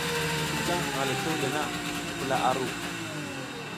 Ki jam hang le tewle na, pula a ru.